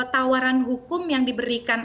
tawaran hukum yang diberikan